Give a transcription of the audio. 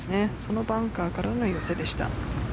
そのバンカーからの寄せでした。